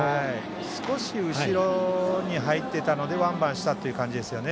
少し後ろに入っていたのでワンバウンドしたところですね。